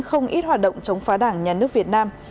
không ít hoạt động chống phá đảng nhà nước việt nam